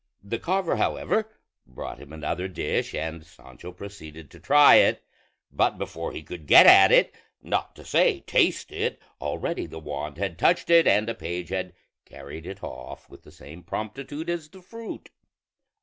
The carver however brought him another dish, and Sancho proceeded to try it; but before he could get at it, not to say taste it, already the wand had touched it and a page had carried it off with the same promptitude as the fruit.